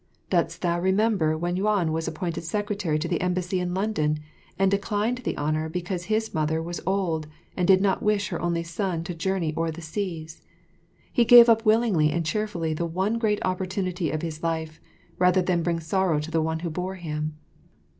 Dost thou remember when Yuan was appointed secretary to the embassy in London, and declined the honour because his mother was old and did not wish her only son to journey o'er the seas; he gave up willingly and cheerfully the one great opportunity of his life rather than bring sorrow to the one who bore him.